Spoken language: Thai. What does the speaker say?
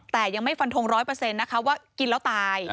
แต่ยังไม่ฟันทง๑๐๐นะคะว่ากินแล้วตาย